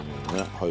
はい。